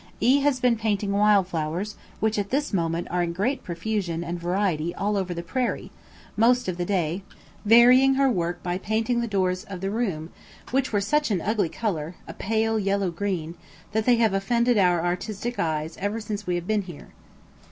E has been painting wild flowers, which at this moment are in great profusion and variety all over the prairie, most of the day, varying her work by painting the doors of the room, which were such an ugly colour, a pale yellow green, that they have offended our artistic eyes ever since we have been here.